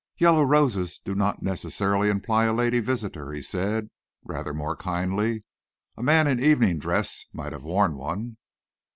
"Yellow roses do not necessarily imply a lady visitor," he said, rather more kindly. "A man in evening dress might have worn one."